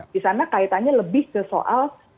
disana kaitannya lebih ke soal